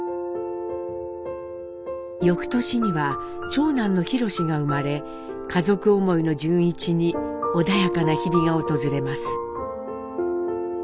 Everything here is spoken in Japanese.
翌年には長男の宏が生まれ家族思いの潤一に穏やかな日々が訪れます。